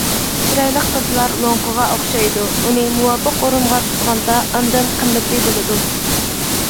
چىرايلىق قىزلار لوڭقىغا ئوخشايدۇ، ئۇنى مۇۋاپىق ئورۇنغا تىزغاندا ئاندىن قىممىتى بولىدۇ.